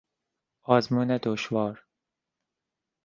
آزمون دشوار